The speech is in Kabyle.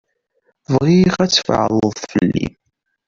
Bɣiɣ ad tbeɛded fell-i.